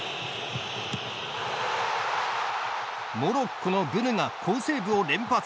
モロッコのブヌが好セーブを連発。